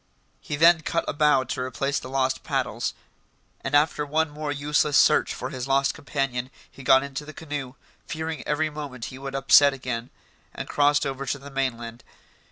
He then cut a bough to replace the lost paddles, and after one more useless search for his lost companion, he got into the canoe, fearing every moment he would upset again, and crossed over to the mainland.